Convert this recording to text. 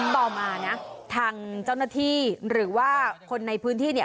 ต่อมานะทางเจ้าหน้าที่หรือว่าคนในพื้นที่เนี่ย